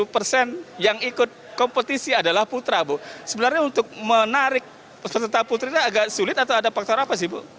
pak tarapa sih ibu